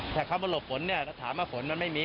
แค่เขาบ้งกลบฝนเนี่ยถามว่าฝนมันไม่มี